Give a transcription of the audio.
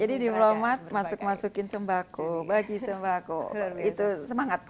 jadi diplomat masuk masukin sembako bagi sembako itu semangat kok